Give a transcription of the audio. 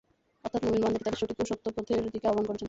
অর্থাৎ মুমিন বান্দাটি তাদেরকে সঠিক ও সত্য পথের দিকে আহ্বান করছেন।